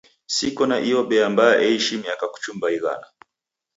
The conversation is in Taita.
Siko na iyo bea mbaa eishi miaka kuchumba ighana.